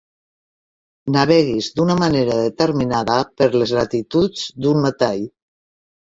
Naveguis d'una manera determinada per les latituds d'un metall.